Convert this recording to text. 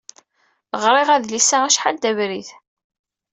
Ɣriɣ adlis-a acḥal d abrid.